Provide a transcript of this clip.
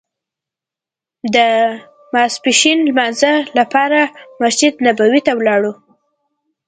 د ماسپښین لمانځه لپاره مسجد نبوي ته لاړو.